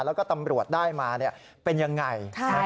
แล้วก็ตำรวจได้มาเป็นยังไง